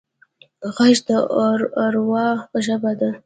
غږ د اروا ژبه ده